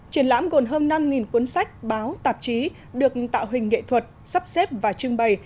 triển lãm gồm hơn năm cuốn sách báo tạp chí được tạo hình nghệ thuật sắp xếp và trưng bày